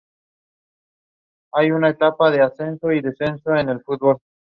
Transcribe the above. Atraviesa la Antártida y algunas de sus plataformas de hielo.